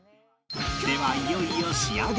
ではいよいよ仕上げ